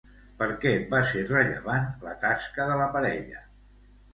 Per què va ser rellevant la tasca de la parella?